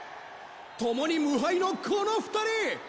ともに無敗のこの２人。